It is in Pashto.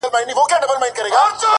ستا بې روخۍ ته به شعرونه ليکم،